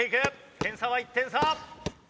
点差は１点差！